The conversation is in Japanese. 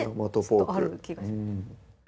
ちょっとある気がします